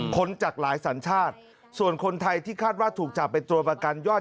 คนจากหลายสัญชาติส่วนคนไทยที่คาดว่าถูกจับเป็นตัวประกันยอด